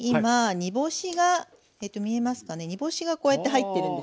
煮干しがこうやって入ってるんですね。